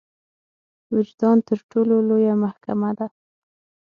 وجدان تر ټولو لويه محکمه ده.